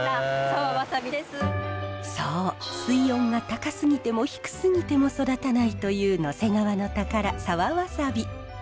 そう水温が高すぎても低すぎても育たないという野迫川の宝沢ワサビ。